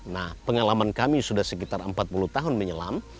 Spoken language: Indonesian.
nah pengalaman kami sudah sekitar empat puluh tahun menyelam